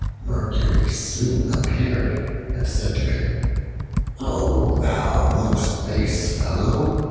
Mercury soon appeared and said to him, "O thou most base fellow?